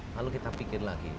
lalu kita pikir lagi